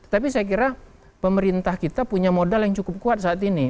tapi saya kira pemerintah kita punya modal yang cukup kuat saat ini